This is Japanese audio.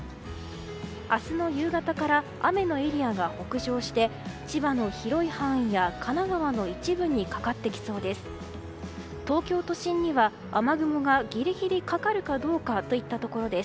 明日の夕方から雨のエリアが北上して千葉の広い範囲や神奈川の一部にかかってきそうです。